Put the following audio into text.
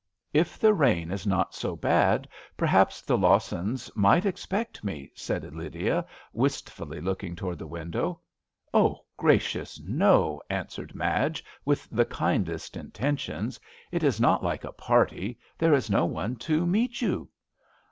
''If the rain is not so bad perhaps the Lawsons might expect me/' said Lydia, wistfully looking towards the window. " Oh, gracious I no," answered Madge, with the kindest inten tions. "It is not like a party. There is no one to meet you